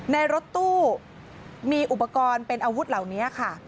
ในรถตู้มีอุปกรณ์เป็นอาวุธเหล่านี้ค่ะ